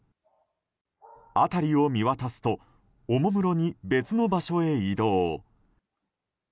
辺りを見渡すとおもむろに別の場所へ移動。